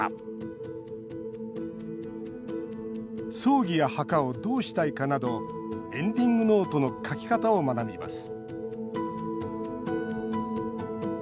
葬儀や墓をどうしたいかなどエンディングノートの書き方を学びます